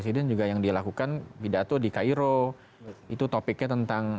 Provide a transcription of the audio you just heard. saya berbicara tentang